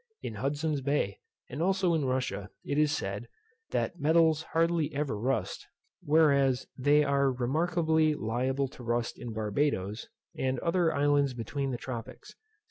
In Hudson's bay, and also in Russia, it is said, that metals hardly ever rust, whereas they are remarkably liable to rust in Barbadoes, and other islands between the tropics.